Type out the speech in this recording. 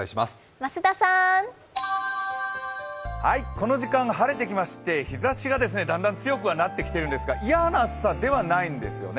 この時間、晴れてきまして日ざしがだんだん強くなってきてはいるんですが、嫌な暑さではないんですよね。